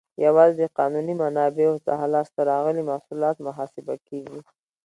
یوازې د قانوني منابعو څخه لاس ته راغلي محصولات محاسبه کیږي.